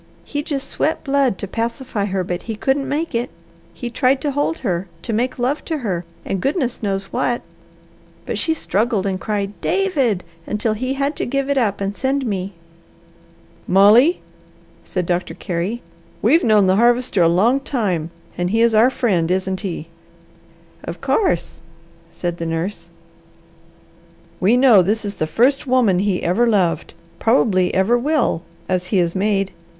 He just sweat blood to pacify her, but he couldn't make it. He tried to hold her, to make love to her, and goodness knows what, but she struggled and cried, 'David,' until he had to give it up and send me." "Molly," said Doctor Carey, "we've known the Harvester a long time, and he is our friend, isn't he?" "Of course!" said the nurse. "We know this is the first woman he ever loved, probably ever will, as he is made.